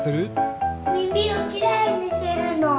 みみをきれいにするの。